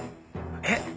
えっ？